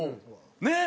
ねえ。